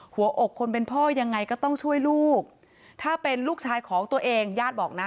หัวอกคนเป็นพ่อยังไงก็ต้องช่วยลูกถ้าเป็นลูกชายของตัวเองญาติบอกนะ